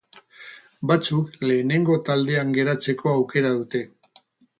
Batzuk lehenengo taldean geratzeko aukera dute.